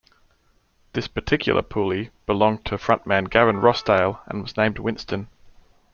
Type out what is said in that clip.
This particular Puli belonged to frontman Gavin Rossdale and was named Winston.